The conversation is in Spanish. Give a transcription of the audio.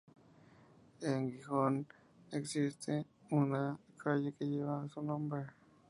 En Gijón, existe una calle que lleva su nombre.